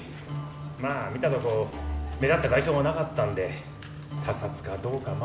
まあ見たところ目立った外傷はなかったんで他殺かどうかまではまだ。